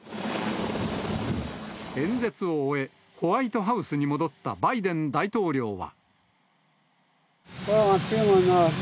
演説を終え、ホワイトハウスに戻ったバイデン大統領は。